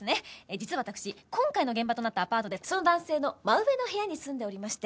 実は私今回の現場となったアパートでその男性の真上の部屋に住んでおりまして。